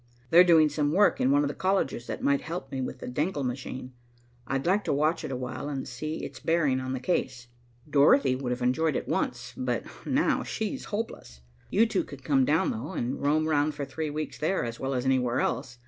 "They're doing some work in one of the colleges that might help me with the Denckel machine. I'd like to watch it awhile, and see its bearing on the case. Dorothy would have enjoyed it once, but now she's hopeless. You two can come down, though, and roam round for three weeks there, as well as anywhere else.